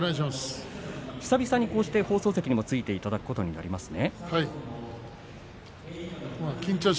久々に放送席にもついていただくことになりますね。